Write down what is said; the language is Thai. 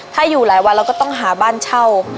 ถ้าอยู่หลายวันเราก็ต้องหาบ้านเช่า